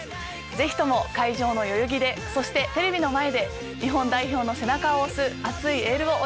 ぜひとも会場の代々木でそしてテレビの前で日本代表の背中を押す熱いエールをお願いします。